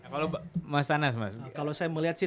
kalau mas anas mas kalau saya melihat sih